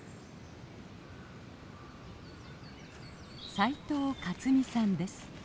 斉藤勝弥さんです。